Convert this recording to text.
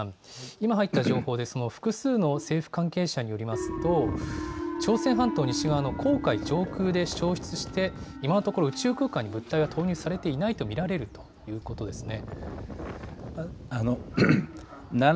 今入った情報で複数の政府関係者によりますと朝鮮半島西側の黄海上空で消失して今のところ宇宙空間に物体は投入されていないと見られるということですね。